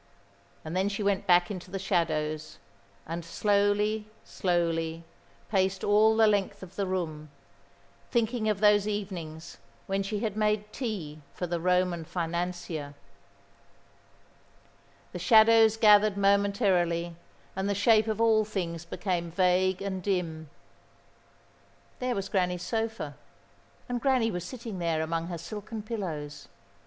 And then she went back into the shadows, and slowly, slowly, paced all the length of the room, thinking of those evenings when she had made tea for the Roman financier. The shadows gathered momentarily and the shapes of all things became vague and dim. There was Granny's sofa, and Granny was sitting there among her silken pillows.